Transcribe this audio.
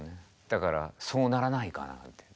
だからそうならないかなって。